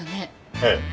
ええ。